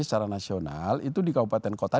secara nasional itu di kabupaten kota